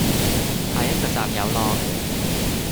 下一個站有落